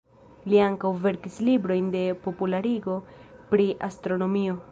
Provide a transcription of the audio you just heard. Li ankaŭ verkis librojn de popularigo pri astronomio.